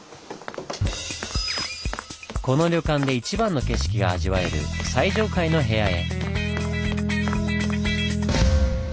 この旅館で一番の景色が味わえる最上階の部屋へ。